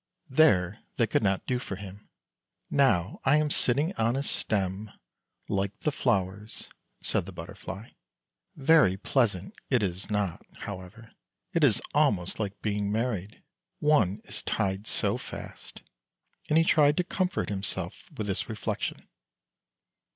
There they could not do for him. " Now I am sitting on a stem, like the flowers," said the Butterfly; " very pleasant it is not, however. It is almost like being married, one is tied so fast. And he tried to comfort himself with this reflection.